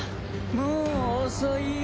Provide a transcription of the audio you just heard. もう遅いよ。